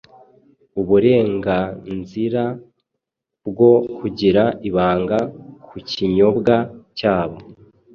uburengnzira bwo kugira ibanga kukinyobwa cyabo